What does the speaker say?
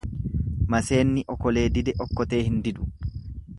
Maseenni okolee dide okkotee hin didu.